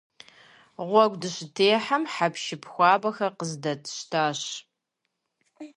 Гъуэгу дыщытехьэм, хьэпшып хуабэхэр къыздэтщтащ.